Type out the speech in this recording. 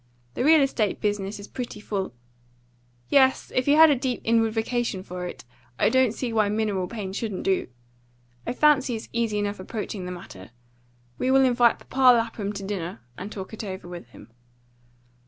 The real estate business is pretty full. Yes, if you have a deep inward vocation for it, I don't see why mineral paint shouldn't do. I fancy it's easy enough approaching the matter. We will invite Papa Lapham to dinner, and talk it over with him."